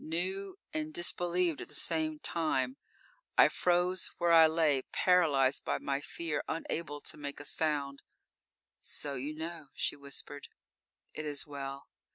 Knew and disbelieved at the same time. I froze where I lay, paralyzed by my fear; unable to make a sound._ _"So you know," she whispered. "It is well.